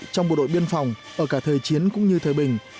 trong bộ đội biên phòng ở cả thời chiến cũng như thời bình